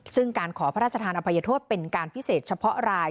ซึ่งการขอพระราชทานอภัยโทษเป็นการพิเศษเฉพาะราย